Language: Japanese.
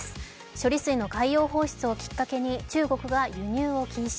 処理水の海洋放出をきっかけに中国が輸入を禁止。